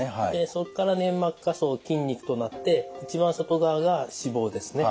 そこから粘膜下層筋肉となって一番外側が脂肪ですね。